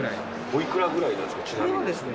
おいくらぐらいなんですか。